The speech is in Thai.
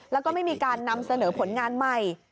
แล้วก็ไม่มีการนำเสนอผลงานใหม่